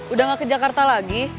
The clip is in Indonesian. udah gak ke jakarta lagi